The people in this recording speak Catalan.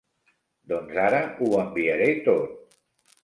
Doncs ara ho enviaré tot.